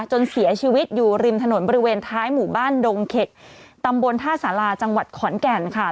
จนเสียชีวิตอยู่ริมถนนบริเวณท้ายหมู่บ้านดงเข็กตำบลท่าสาราจังหวัดขอนแก่นค่ะ